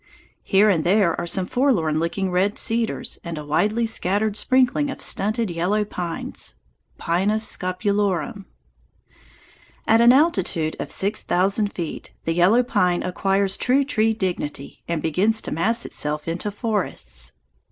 Here and there are some forlorn looking red cedars and a widely scattered sprinkling of stunted yellow pines (Pinus scopulorum). At an altitude of six thousand feet the yellow pine acquires true tree dignity and begins to mass itself into forests.